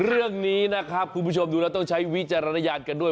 เรื่องนี้นะครับคุณผู้ชมดูแล้วต้องใช้วิจารณญาณกันด้วย